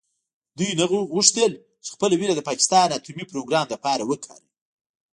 دوی نه غوښتل چې خپله وینه د پاکستان اټومي پروګرام لپاره وکاروي.